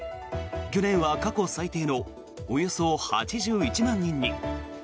去年は過去最低のおよそ８１万人に。